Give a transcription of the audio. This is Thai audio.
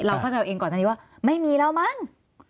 เข้าใจเอาเองก่อนอันนี้ว่าไม่มีแล้วมั้ง